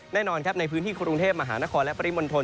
แน่นอนครับในพื้นที่กรุงเทพมหานครและปริมณฑล